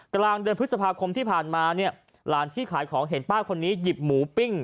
กลางเดือนพฤษภาคมที่ผ่านมาเนี่ยหลานที่ขายของเห็นป้าคนนี้หยิบหมูปิ้ง